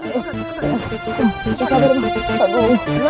umi meminta mang kandar untuk menghubungi kalian